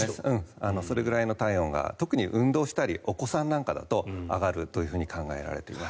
それぐらいの体温が特に運動したお子さんなんかだと上がるというふうに考えられています。